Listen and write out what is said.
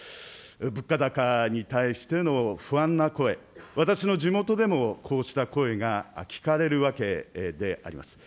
物価高に対しての不安な声、私の地元でもこうした声が聞かれるわけであります。